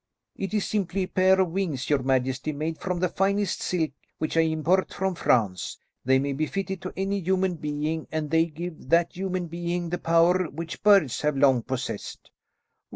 "It is simply a pair of wings, your majesty, made from the finest silk which I import from France. They may be fitted to any human being, and they give that human being the power which birds have long possessed."